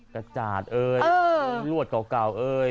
กระจาดเอ่ยลวดเก่าเอ่ย